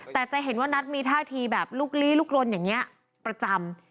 แต่จะเห็นว่านัทมีท่าทีแบบลุกลี้ลุกลนอย่างนี้ประจำ